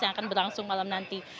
yang akan berlangsung malam nanti